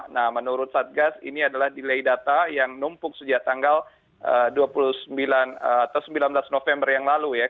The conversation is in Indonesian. nah menurut satgas ini adalah delay data yang numpuk sejak tanggal dua puluh sembilan atau sembilan belas november yang lalu ya